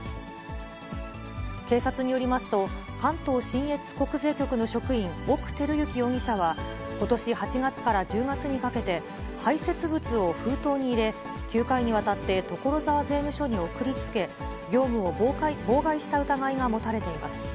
警察によりますと、関東信越国税局の職員、奥輝之容疑者は、ことし８月から１０月にかけて、排せつ物を封筒に入れ、９回にわたって所沢税務署に送りつけ、業務を妨害した疑いが持たれています。